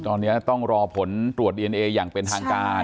ตอนนี้ต้องรอผลตรวจดีเอนเออย่างเป็นทางการ